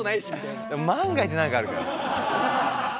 でも万が一何かあるから。